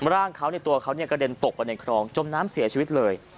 ร่างเขาในตัวเขากระเด็นตกไปในคลองจมน้ำเสียชีวิตเลย